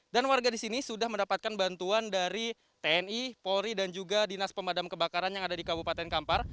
dan warga di sini sudah mendapatkan bantuan dari tni polri dan juga dinas pemadam kebakaran yang ada di kabupaten kampar